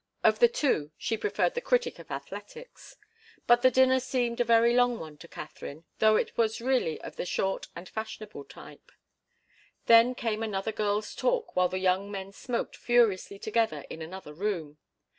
Of the two, she preferred the critic of athletics. But the dinner seemed a very long one to Katharine, though it was really of the short and fashionable type. Then came another girls' talk while the young men smoked furiously together in another room.